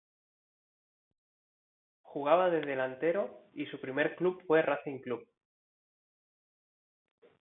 Jugaba de delantero y su primer club fue Racing Club.